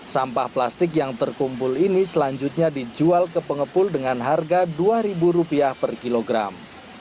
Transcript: sampah plastik yang terkumpul ini selanjutnya dijual ke pengepul dengan harga rp dua per kilogram